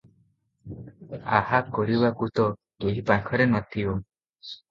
ଆହା କରିବାକୁ ତ କେହି ପାଖରେ ନଥିବ ।